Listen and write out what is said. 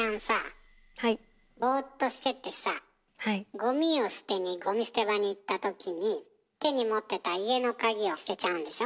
ゴミを捨てにゴミ捨て場に行ったときに手に持ってた家のカギを捨てちゃうんでしょ？